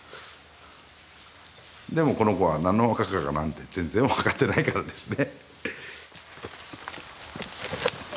でもこの子は何のお墓かなんて全然分かってないからですね。